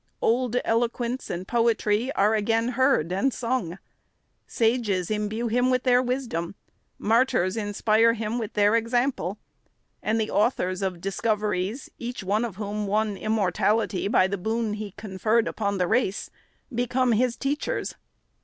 Old eloquence and poetry are again heard and sung. Sages imbue him with their wisdom ; martyrs inspire him by their example ; and the authors of discoveries, each one of whom won immortality by the boon he conferred upon the race, become his teachers.